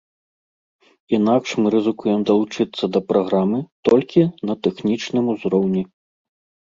Інакш мы рызыкуем далучыцца да праграмы толькі на тэхнічным узроўні.